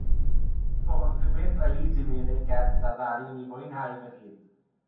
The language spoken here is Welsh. Rhoddodd rhywun reid imi yn ei gert a ddaru mi fwynhau fy hun.